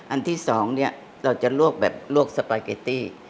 อันที่สองเนี่ยเราจะลวกแบบลวกสปาเกตตี้